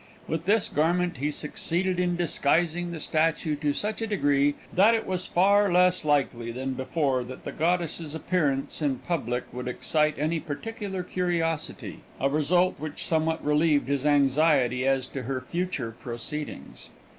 With this garment he succeeded in disguising the statue to such a degree, that it was far less likely than before that the goddess's appearance in public would excite any particular curiosity a result which somewhat relieved his anxiety as to her future proceedings.